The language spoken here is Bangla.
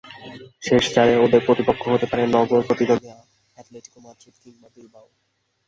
শেষ চারে ওদের প্রতিপক্ষ হতে পারে নগর প্রতিদ্বন্দ্বী অ্যাটলেটিকো মাদ্রিদ কিংবা বিলবাও।